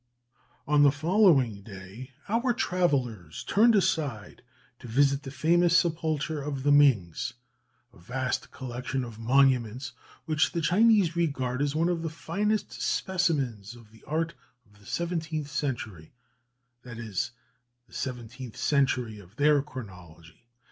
On the following day our travellers turned aside to visit the famous sepulchre of the Mings a vast collection of monuments, which the Chinese regard as one of the finest specimens of the art of the seventeenth century that is, the seventeenth century of their chronology.